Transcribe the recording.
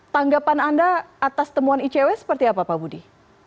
tanggapan anda atas temuan icw seperti apa pak budi